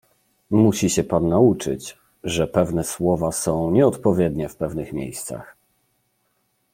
Musi się pan nauczyć, że pewne słowa są nieodpowiednie w pewnych miejscach.